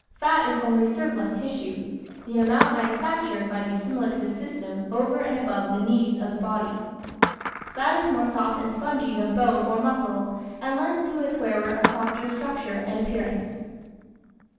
Fat is only surplus tissue the amount manufactured by the assimilative system over and above the needs of the body. Fat is more soft and spongy than bone or muscle and lends to its wearer a softer structure and appearance.